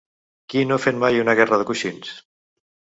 Qui no ha fet mai una guerra de coixins?